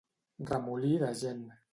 Remolí de gent.